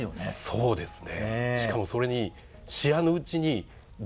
そうですね